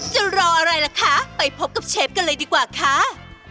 จะรออะไรล่ะคะไปพบกับเชฟกันเลยดีกว่าค่ะ